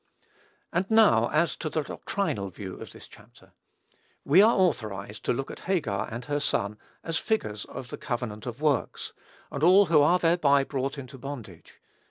And now, as to the doctrinal view of this chapter. We are authorized to look at Hagar and her son, as figures of the covenant of works, and all who are thereby brought into bondage.